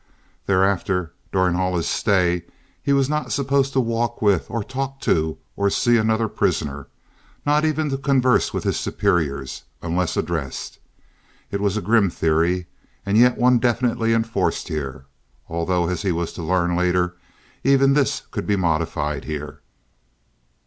Thereafter during all his stay he was not supposed to walk with or talk to or see another prisoner—not even to converse with his superiors, unless addressed. It was a grim theory, and yet one definitely enforced here, although as he was to learn later even this could be modified here.